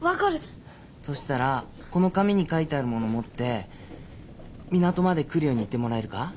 そしたらこの紙に書いてある物持って港まで来るように言ってもらえるか？